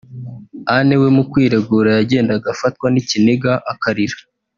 Anne we mu kwiregura yagendaga afatwa n’ikiniga akarira